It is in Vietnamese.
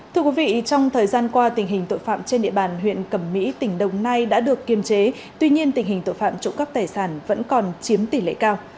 thưa quý vị trong thời gian qua tình hình tội phạm trên địa bàn huyện cẩm mỹ tỉnh đồng nai đã được kiềm chế tuy nhiên tình hình tội phạm trộm cắp tài sản vẫn còn chiếm tỷ lệ cao